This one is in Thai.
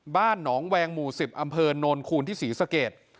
บ้านหนองแวงหมู่๑๐อำเภอโนนคูณที่ศรีสเกต